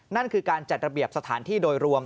นั่นคือการจัดระเบียบสถานที่โดยรวม